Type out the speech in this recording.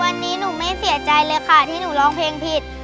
วันนี้หนูไม่เสียใจเลยค่ะที่หนูร้องเพลงผิด